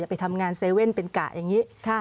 อย่าไปทำงานเซเว่นเป็นกะอย่างนี้